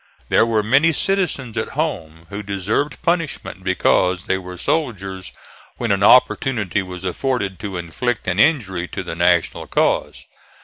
There were many citizens at home who deserved punishment because they were soldiers when an opportunity was afforded to inflict an injury to the National cause.